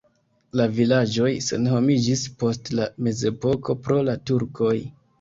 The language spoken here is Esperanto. La vilaĝoj senhomiĝis post la mezepoko pro la turkoj.